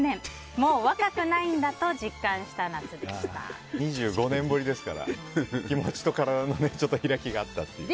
もう若くないんだと２５年ぶりですから気持ちと体の開きがあったというね。